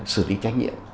xử lý trách nhiệm